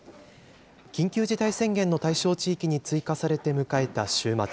緊急事態宣言の対象地域に追加されて迎えた週末。